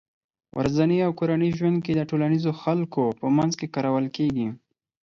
ورځني او کورني ژوند کې د ټولنيزو خلکو په منځ کې کارول کېږي